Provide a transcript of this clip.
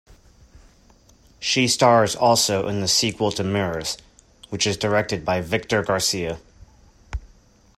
She stars also in the sequel to "Mirrors", which is directed by Victor Garcia.